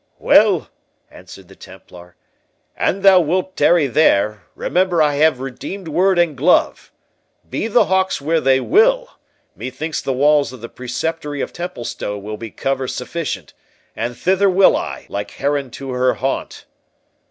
"Well," answered the Templar, "an thou wilt tarry there, remember I have redeemed word and glove. Be the hawks where they will, methinks the walls of the Preceptory of Templestowe will be cover sufficient, and thither will I, like heron to her haunt."